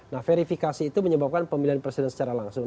nah verifikasi itu menyebabkan pemilihan presiden secara langsung